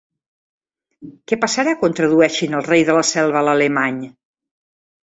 Què passarà quan tradueixin El rei de la selva a l'alemany?